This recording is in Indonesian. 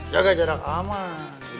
jaga jarak aman